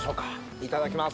いただきます。